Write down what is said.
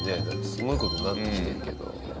すごい事になってきてるけど。